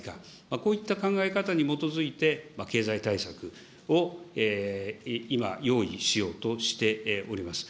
こういった考え方に基づいて経済対策を今、用意しようとしております。